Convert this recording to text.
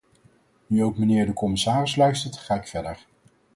Nu ook mijnheer de commissaris luistert, ga ik verder.